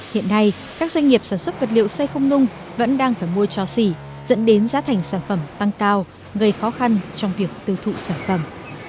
hiện nay các doanh nghiệp sản xuất vật liệu xây không nung vẫn đang phải mua cho xỉ dẫn đến giá thành sản phẩm tăng cao gây khó khăn trong việc tiêu thụ sản phẩm